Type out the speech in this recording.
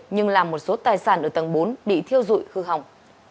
nhưng làm một số tài sản ở tầng bốn bị thiêu dụi hư hỏng